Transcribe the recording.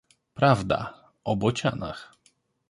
"prawda, o bocianach!"